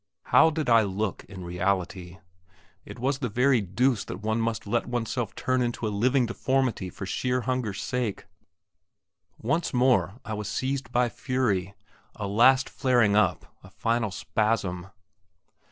How did I look in reality? It was the very deuce that one must let oneself turn into a living deformity for sheer hunger's sake. Once more I was seized by fury, a last flaring up, a final spasm.